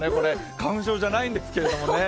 花粉症じゃないんですけれどね。